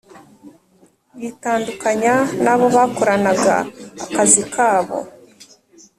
yitandukanya n’abo bakoranaga akazi kabo